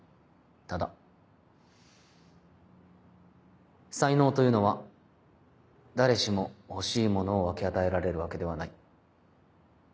ただ才能というのは誰しも欲しいものを分け与えられるわけではない。